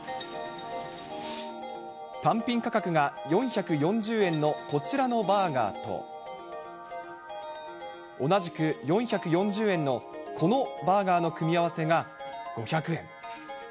単品価格が４４０円のこちらのバーガーと、同じく４４０円のこのバーガーの組み合わせが５００円。